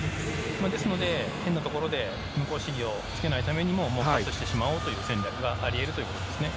ですので、変なところで無効試技をつけないためにもパスしてしまおうという戦略があり得るということですね。